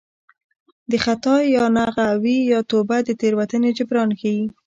د خطا یا ناغه وي یا توبه د تېروتنې جبران ښيي